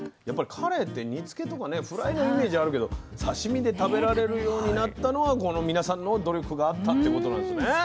やっぱりカレイって煮つけとかねフライのイメージあるけど刺身で食べられるようになったのはこの皆さんの努力があったってことなんですね。